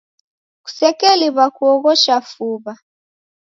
Kusekeliw'a kuoghosha fuw'a.